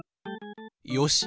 よし。